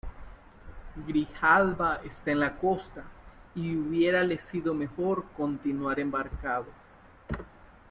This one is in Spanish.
Grijalba está en la costa, y hubiérale sido mejor continuar embarcado.